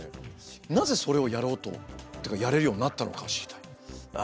なぜそれをやろうとというかやれるようになったのかを知りたい。